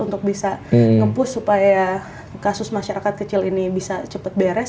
untuk bisa ngempur supaya kasus masyarakat kecil ini bisa cepat beres